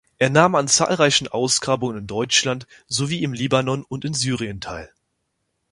Er nahm an zahlreichen Ausgrabungen in Deutschland sowie im Libanon und in Syrien teil.